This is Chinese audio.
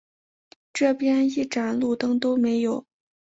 这边一盏路灯都没有